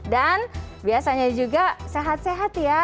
dan biasanya juga sehat sehat ya